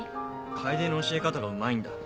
楓の教え方がうまいんだ。